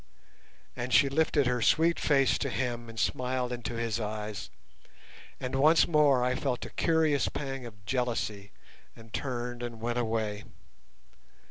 And she lifted her sweet face to him and smiled into his eyes, and once more I felt a curious pang of jealousy and turned and went away.